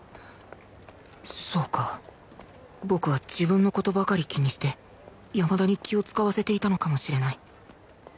そうか僕は自分の事ばかり気にして山田に気を使わせていたのかもしれない